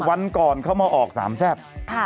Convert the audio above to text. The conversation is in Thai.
วันก่อนเขามาออกสามแซ่บ